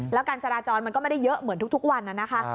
แล้วการจราจรมันก็ไม่ได้เยอะเหมือนทุกวันนะคะ